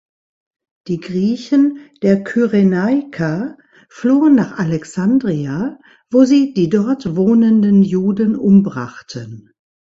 Die Griechen der Kyrenaika flohen nach Alexandria, wo sie die dort wohnenden Juden umbrachten.